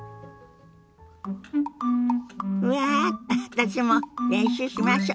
私も練習しましょ。